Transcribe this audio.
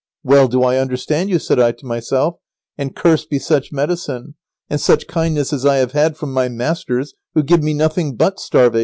"Well do I understand you," said I to myself, "and cursed be such medicine, and such kindness as I have had from my masters, who give me nothing but starvation."